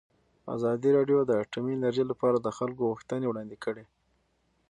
ازادي راډیو د اټومي انرژي لپاره د خلکو غوښتنې وړاندې کړي.